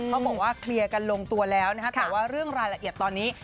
เขาบอกว่าเคลียร์กันลงตัวแล้วนะคะแต่ว่าเรื่องรายละเอียดตอนนี้